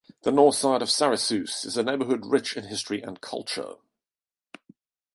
The Northside of Syracuse is a neighborhood rich in history and culture.